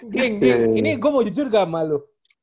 ini gue mau jujur gak malu